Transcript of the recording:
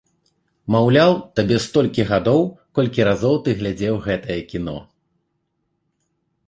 Маўляў, табе столькі гадоў, колькі разоў ты глядзеў гэтае кіно.